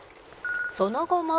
「その後も」